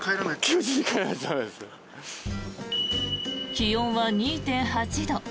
気温は２．８度。